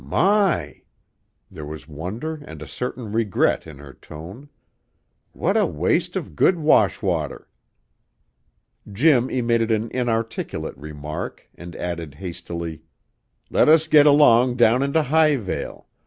"My!" There was wonder and a certain regret in her tone. "What a waste of good wash water!" Jim emitted an inarticulate remark, and added hastily: "Let us get along down into Highvale.